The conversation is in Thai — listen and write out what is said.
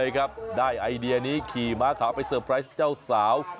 ได้ไอเดียนี้ขี่ม้าขาวไปเซอร์ไพรส์เจ้าสาว